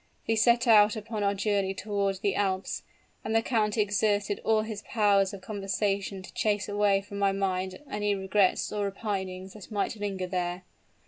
"We set out upon our journey toward the Alps; and the count exerted all his powers of conversation to chase away from my mind any regrets or repinings that might linger there.